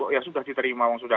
ya sudah diterima